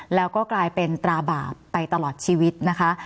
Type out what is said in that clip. แล้วก็กลายเป็นตราบาปไปตลอดชีวิตนะคะ